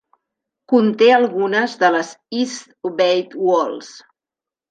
Conté algunes de les East Bay Walls.